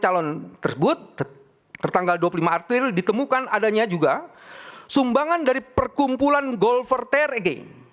calon tersebut tertanggal dua puluh lima april ditemukan adanya juga sumbangan dari perkumpulan golfer terg